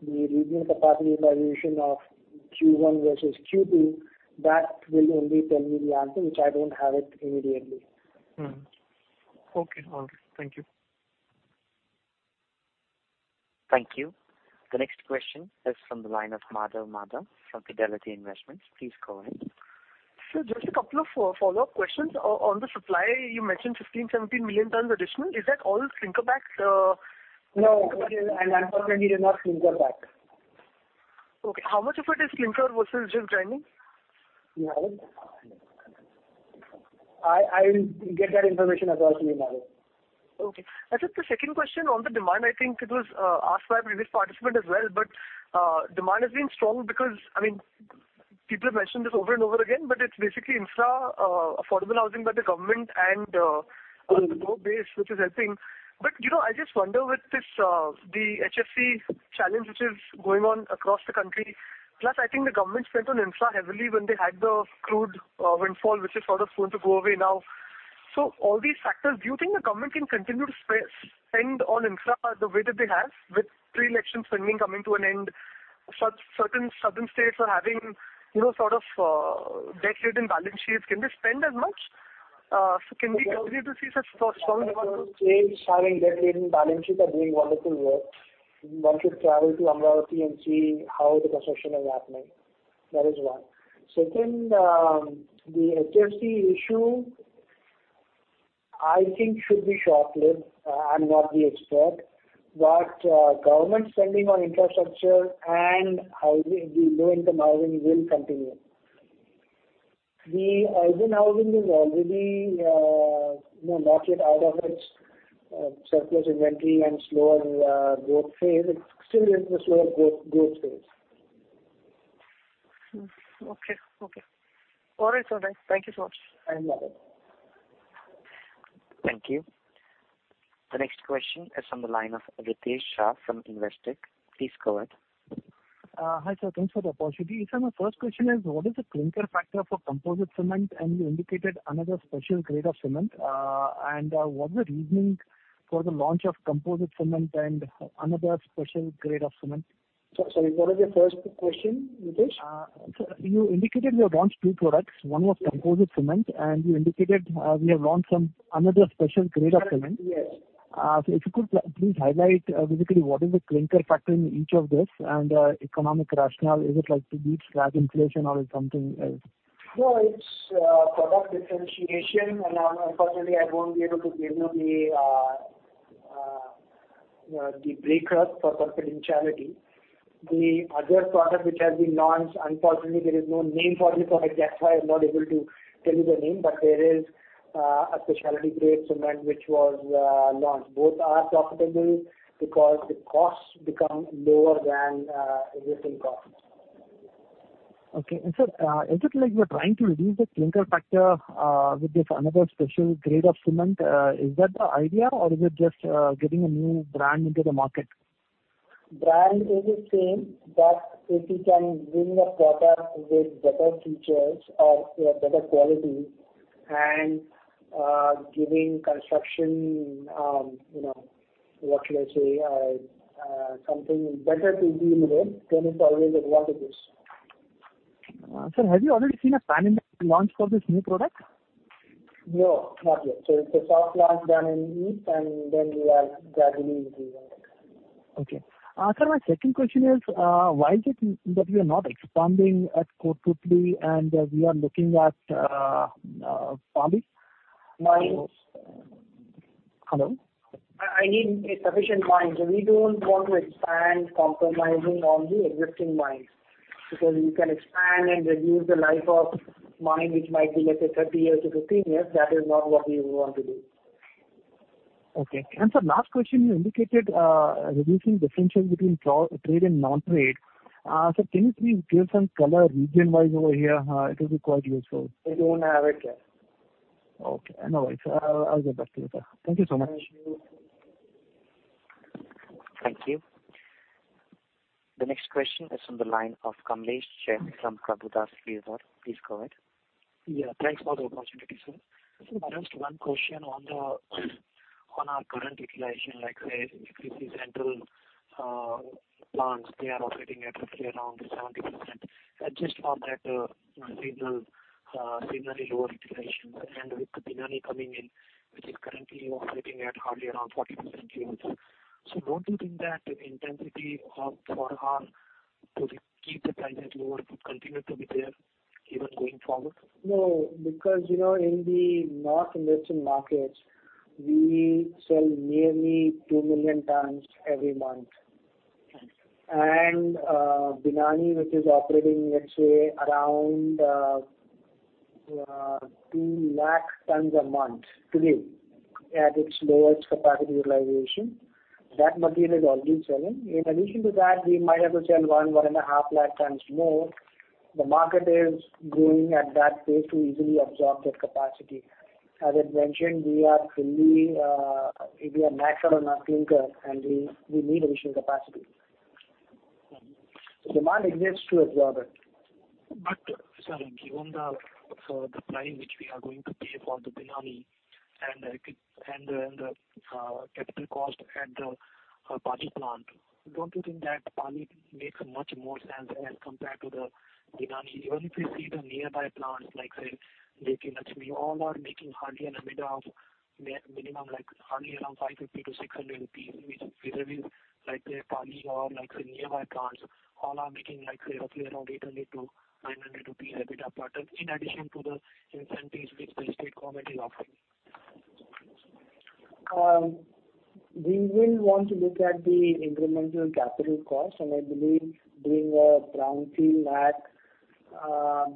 the regional capacity utilization of Q1 versus Q2. That will only tell me the answer, which I don't have it immediately. Okay. All right. Thank you. Thank you. The next question is from the line of Madhav Marda from Fidelity Investments. Please go ahead. Sir, just a couple of follow-up questions. On the supply, you mentioned 15 million tons, 17 million tons additional. Is that all clinker back? No. Furthermore, it is not clinker back. Okay. How much of it is clinker versus grinding? Madhav. I will get that information across to you, Madhav. Okay. I think the second question on the demand, I think it was asked by a previous participant as well, demand has been strong because, people have mentioned this over and over again, it's basically infra, affordable housing by the government and the rural base which is helping. I just wonder with the HFC challenge which is going on across the country, plus I think the government spent on infra heavily when they had the crude windfall, which is sort of going to go away now. All these factors, do you think the government can continue to spend on infra the way that they have with pre-election spending coming to an end, certain southern states are having sort of debt-ridden balance sheets. Can they spend as much? Can we continue to see such strong numbers? States having debt-ridden balance sheets are doing wonderful work. One should travel to Amaravati and see how the construction is happening. That is one. Second, the HFC issue, I think should be short-lived. I'm not the expert, but government spending on infrastructure and the low-income housing will continue. The urban housing is already not yet out of its surplus inventory and slower growth phase. It's still in the slower growth phase. Okay. All right, sir. Thank you so much. Hi, welcome. Thank you. The next question is on the line of Ritesh Shah from Investec. Please go ahead. Hi, sir. Thanks for the opportunity. Sir, my first question is, what is the clinker factor for composite cement? You indicated another special grade of cement. What's the reasoning for the launch of composite cement and another special grade of cement? Sorry, what was your first question, Ritesh? Sir, you indicated you have launched two products. One was composite cement, and you indicated we have launched another special grade of cement. Yes. If you could please highlight basically what is the clinker factor in each of this and economic rationale. Is it like to beat slag inflation or it's something else? No, it's product differentiation, and unfortunately, I won't be able to give you the breakers for confidentiality. The other product which has been launched, unfortunately, there is no name for the product, that's why I'm not able to tell you the name, but there is a specialty grade cement which was launched. Both are profitable because the costs become lower than existing costs. Okay. Sir, is it like you're trying to reduce the clinker factor with this another special grade of cement? Is that the idea, or is it just getting a new brand into the market? Brand is the same, but if you can bring a product with better features or better quality and giving construction, what should I say, something better to the end user, then it's always advantageous. Sir, have you already seen a plan in the launch for this new product? It's a soft launch done in East, and then we are gradually increasing. Okay. Sir, my second question is, why is it that we are not expanding at Kotputli, and we are looking at Pali? Mines. Hello. I need sufficient mines. We don't want to expand compromising on the existing mines. You can expand and reduce the life of mine, which might be, let's say, 30 years to 15 years. That is not what we want to do. Okay. Sir, last question, you indicated, reducing the differential between trade and non-trade. Sir, can you please give some color region-wise over here? It will be quite useful. We don't have it yet. Okay. No worries. I'll get back to you, sir. Thank you so much. Thank you. Thank you. The next question is on the line of Kamlesh Jain from Kotak Securities. Please go ahead. Thanks for the opportunity, sir. Sir, I have one question on our current utilization. Like say, if you see central plants, they are operating at roughly around 70%. Just saw that significantly lower utilizations. With the Binani coming in, which is currently operating at hardly around 40% yields. Don't you think that the intensity for us to keep the prices lower could continue to be there even going forward? No, because in the north and western markets, we sell nearly two million tonnes every month. Okay. Binani, which is operating, let's say, around 2 lakh tonnes a month today at its lowest capacity utilization. That material is already selling. In addition to that, we might have to sell 1.5 lakh tonnes more. The market is growing at that pace to easily absorb that capacity. As I mentioned, we are fully maxed out on our clinker, and we need additional capacity. Okay. Demand exists to absorb it. Sir, given the price which we are going to pay for the Binani and the capital cost at the Pali plant, don't you think that Pali makes much more sense as compared to the Binani? Even if you see the nearby plants like say, Lakheri, all are making hardly an EBITDA of minimum like hardly around 550 to 600 rupees, which whether it is like say, Pali or like say, nearby plants, all are making like say roughly around 800 to 900 rupees EBITDA. In addition to the incentives which the state government is offering. We will want to look at the incremental capital cost, I believe doing a brownfield at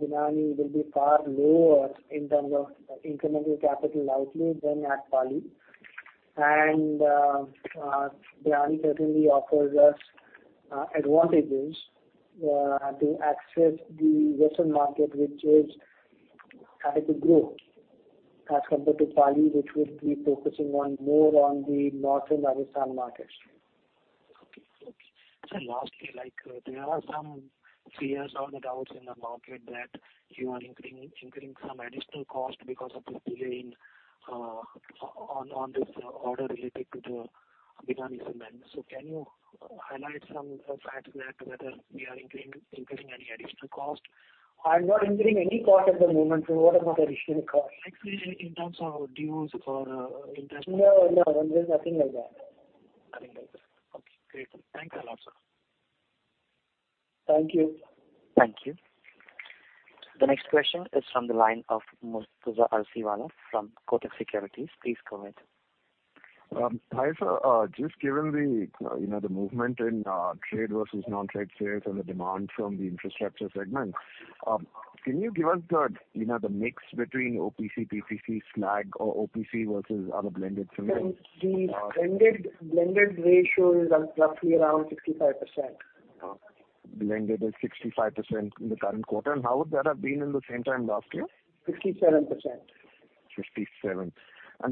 Binani will be far lower in terms of incremental capital outlay than at Pali. Binani certainly offers us advantages to access the western market, which is trying to grow as compared to Pali, which will be focusing more on the north and Rajasthan markets. Okay. Sir, lastly, there are some fears or the doubts in the market that you are incurring some additional cost because of this delay on this order related to the Binani Cement. Can you highlight some facts whether we are incurring any additional cost? I'm not incurring any cost at the moment. What are those additional costs? Like say, in terms of dues for interest- No, there's nothing like that. Great. Thanks a lot, sir. Thank you. Thank you. The next question is from the line of Murtuza Arsiwala from Kotak Securities. Please go ahead. Hi, sir. Just given the movement in trade versus non-trade sales and the demand from the infrastructure segment, can you give us the mix between OPC, PCC, slag or OPC versus other blended cements? The blended ratio is roughly around 65%. Blended is 65% in the current quarter. How would that have been in the same time last year? 67%. 67.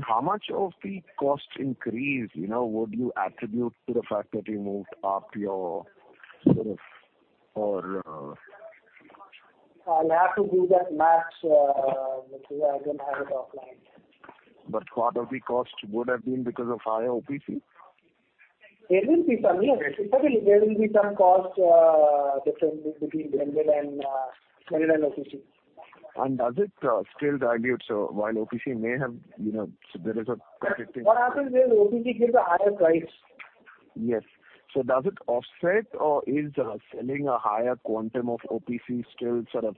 How much of the cost increase would you attribute to the fact that you moved up your sort of? I'll have to do that math, Murtuza. I don't have it offline. What are the costs would have been because of higher OPC? There will be some, yes. There will be some cost difference between blended and OPC. Does it still dilute? While OPC may have. What happens is OPC gives a higher price. Yes. Does it offset or is selling a higher quantum of OPC still sort of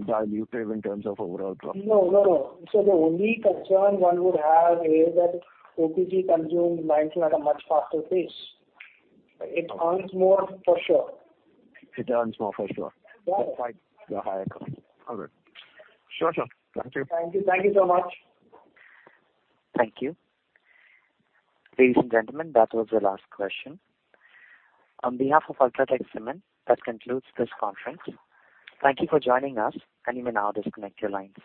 dilutive in terms of overall profit? No, no. The only concern one would have is that OPC consumes lime at a much faster pace. It earns more for sure. It earns more for sure. Yeah. Despite the higher cost. All right. Sure, sir. Thank you. Thank you so much. Thank you. Ladies and gentlemen, that was the last question. On behalf of UltraTech Cement, that concludes this conference. Thank you for joining us, and you may now disconnect your lines.